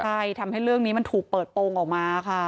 ใช่ทำให้เรื่องนี้มันถูกเปิดโปรงออกมาค่ะ